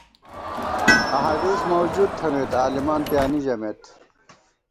احادیث موجود تھنَئیت عالِمان پیانی ژَمېت